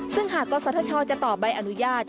ซึ่งหากตัวสัตว์ชอบจะตอบใบอนุญาต